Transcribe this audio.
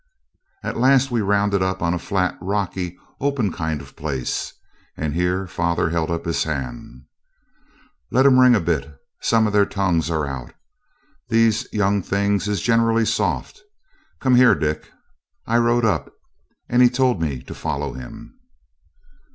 At last we rounded up on a flat, rocky, open kind of a place; and here father held up his hand. 'Let 'em ring a bit; some of their tongues are out. These young things is generally soft. Come here, Dick.' I rode up, and he told me to follow him.